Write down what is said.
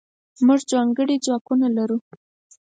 موږځنکړي ځواکونه نلرو